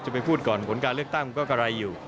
ไปพูดก่อนผลการเลือกตั้งก็กะไรอยู่